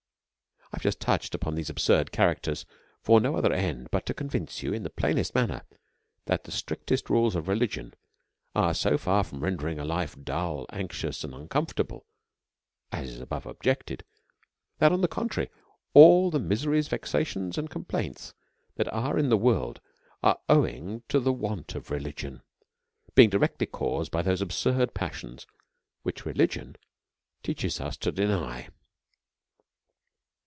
I have just touched upon these absurd characters for no other end but to convince you, in the plainest man ner, that the strictest rules of religion are so far from rendering a life dull, anxious, and uncomfortable, (as is above objected,) that on the contrary, all the mise ries, vexations, and complaints, that are in the world, are all owing to the want of religion ; being directly caused by those absurd passions which religion teaches us to deny.